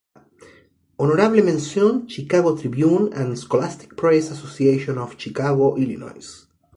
Honorable Mención, Chicago Tribune and Scholastic Press Association of Chicago, Ill.